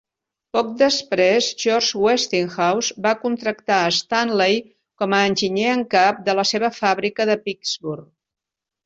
Poc després George Westinghouse va contractar a Stanley con a enginyer en cap de la seva fàbrica de Pittsburgh.